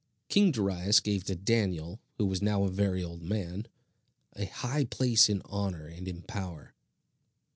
King Darius gave to Daniel, who was now a very old man, a high place in honor and in power.